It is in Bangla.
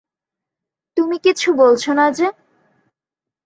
তুমি কিছু বলছ না যে?